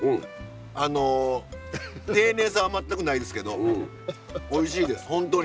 あの丁寧さは全くないですけどおいしいですホントに。